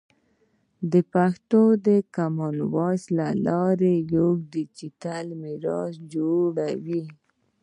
پښتو د کامن وایس له لارې یوه ډیجیټل میراث جوړوي.